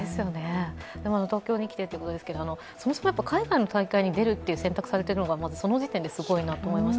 東京に来てということですけど、そもそも海外の大会に出ると選択されているのが、まずその時点ですごいなと思いました。